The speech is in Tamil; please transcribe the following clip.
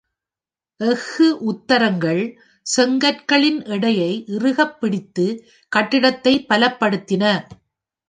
எஃகு உத்தரங்கள், செங்கற்களின் எடையை இறுகப் பிடித்து கட்டிடத்தை பலப்படுத்தின.